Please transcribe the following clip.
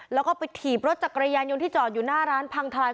แล้วก็ไปถีบรถจักรยานยนต์ที่จอดอยู่หน้าร้านพังทลาย